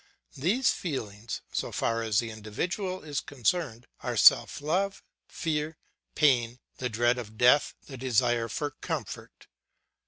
These feelings, so far as the individual is concerned, are self love, fear, pain, the dread of death, the desire for comfort.